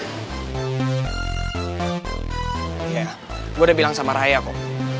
iya gue udah bilang sama raya kok